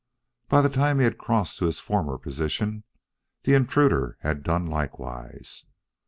By the time he had crossed to his former position, the intruder had done likewise.